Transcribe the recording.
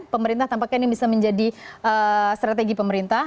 pemerintah tampaknya ini bisa menjadi strategi pemerintah